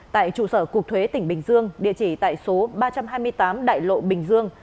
tại trụ sở cục thuế tỉnh bình dương địa chỉ tại số ba trăm hai mươi tám đại lộ bình dương